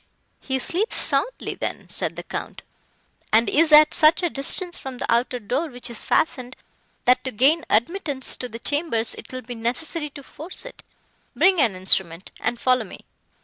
"He sleeps soundly then," said the Count, "and is at such a distance from the outer door, which is fastened, that to gain admittance to the chambers it will be necessary to force it. Bring an instrument, and follow me."